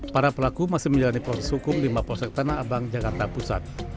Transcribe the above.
para pelaku masih menjalani proses hukum di mapolsek tanah abang jakarta pusat